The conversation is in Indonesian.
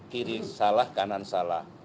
kiri salah kanan salah